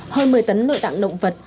hơn một mươi tấn nội tạng động vật